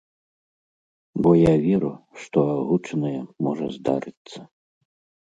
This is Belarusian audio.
Бо я веру, што агучанае можа здарыцца.